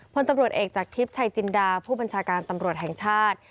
พลตำรวจเอกจากทิพย์ชัยจินดาผู้บัญชาการตำรวจแห่งชาติ